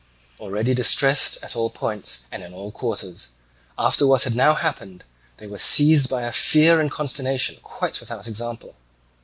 Already distressed at all points and in all quarters, after what had now happened, they were seized by a fear and consternation quite without example.